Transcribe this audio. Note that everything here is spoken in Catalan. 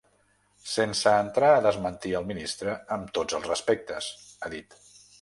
Sense entrar a desmentir el ministre, amb tots els respectes, ha dit.